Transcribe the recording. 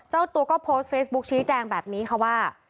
เจ้าตัวก็โพสต์เฟซบุ๊คชี้แจงแบบนี้ค่ะว่า